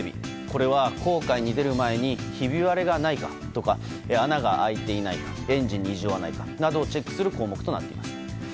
これは、航海に出る前にひび割れがないかとか穴が開いていないかエンジンに異常はないかをチェックする項目になっています。